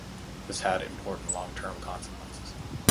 This had important long-term consequences.